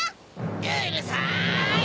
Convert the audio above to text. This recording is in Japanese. うるさい！